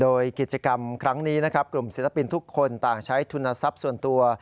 โดยกิจกรรมครั้งนี้นะครับกลุ่มศิลปินทุกคนต่างใช้ทุนทรัพย์ส่วนตัว